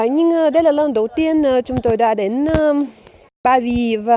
nhưng đây là lần đầu tiên chúng tôi đã đến ba vì